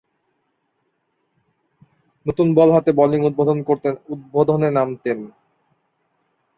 নতুন বল হাতে বোলিং উদ্বোধনে নামতেন।